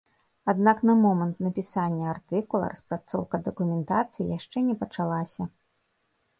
Аднак на момант напісання артыкула распрацоўка дакументацыі яшчэ не пачалася.